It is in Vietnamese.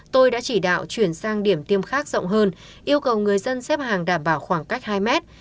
tôi đã chỉ đạo chuyển sang điểm tiêm khác rộng hơn yêu cầu người dân xếp hàng đảm bảo khoảng cách hai mét